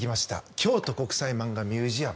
京都国際マンガミュージアム。